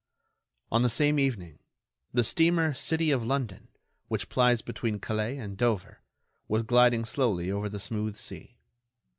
On the same evening, the steamer "City of London," which plies between Calais and Dover, was gliding slowly over the smooth sea.